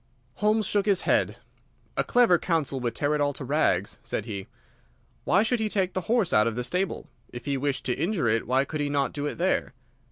Holmes shook his head. "A clever counsel would tear it all to rags," said he. "Why should he take the horse out of the stable? If he wished to injure it why could he not do it there?